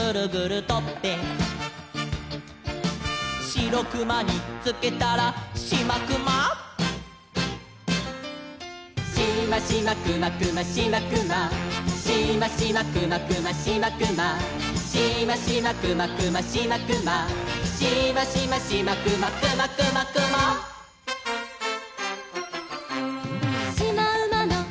「シロクマにつけたらシマクマ」「シマシマクマクマシマクマ」「シマシマクマクマシマクマ」「シマシマクマクマシマクマ」「シマシマシマクマクマクマクマ」「しまうまのしまをグルグルとって」